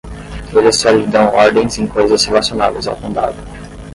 Eles só lhes dão ordens em coisas relacionadas ao condado.